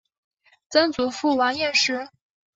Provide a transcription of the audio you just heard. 曾祖父王彦实。